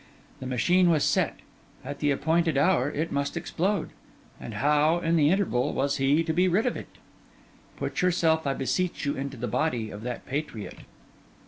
The machine was set; at the appointed hour, it must explode; and how, in the interval, was he to be rid of it? Put yourself, I beseech you, into the body of that patriot.